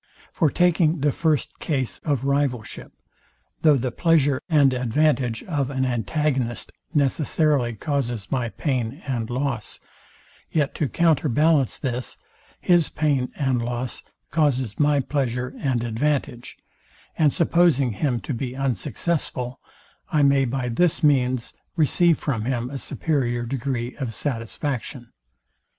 For takeing the first case of rivalship; though the pleasure and advantage of an antagonist necessarily causes my pain and loss, yet to counter ballance this, his pain and loss causes my pleasure and advantage; and supposing him to be unsuccessful, I may by this means receive from him a superior degree of satisfaction.